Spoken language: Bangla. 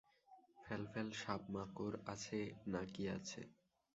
ফ্যাল ফ্যাল-সাপ-মাকড় আছে না কি আছে।